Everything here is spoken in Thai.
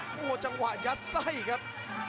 ทั่วจังหวะยัดไส้ครับ